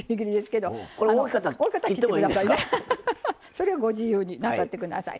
それはご自由になさって下さい。